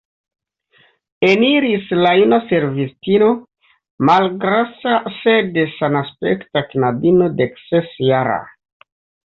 Eniris la juna servistino, malgrasa, sed sanaspekta knabino deksesjara.